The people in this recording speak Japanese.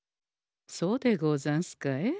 そうでござんすかえ？